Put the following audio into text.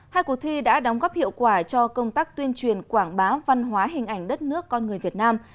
hai cuộc thi đã đóng góp hiệu quả cho công tác tuyên truyền quảng bá văn hóa hình ảnh đất nước con người việt nam